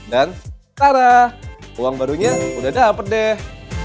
dan taraaa uang barunya udah dapat deh